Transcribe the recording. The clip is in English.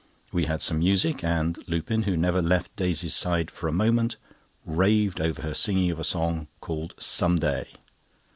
We had some music, and Lupin, who never left Daisy's side for a moment, raved over her singing of a song, called "Some Day."